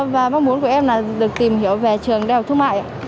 và mong muốn của em là được tìm hiểu về trường đại học thương mại